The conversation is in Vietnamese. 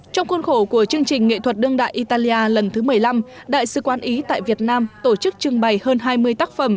trong khuôn khổ của chương trình nghệ thuật đương đại italia lần thứ một mươi năm đại sứ quán ý tại việt nam tổ chức trưng bày hơn hai mươi tác phẩm